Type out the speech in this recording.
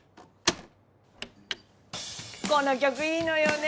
この曲いいのよね。